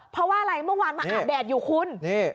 เพราะว่าอะไรเมื่อวานมาอาบแดดอยู่คุณ